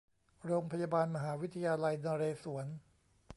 โรงพยาบาลมหาวิทยาลัยนเรศวร